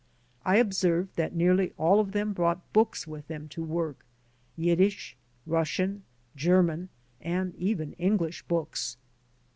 I observed that nearly all of them brought books with them to work — Yiddish, Russian, German, and even English books.